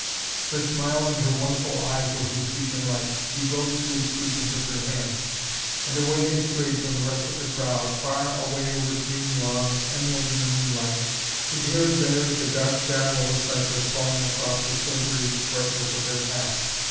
Her smile and her wonderful eyes were his beacon light. He rose to his feet and took her hand. And away they strayed from the rest of the crowd, far away over green lawns, emerald in the moonlight, with, here and there, the dark shadow of a cypress falling across the silvery brightness of their path.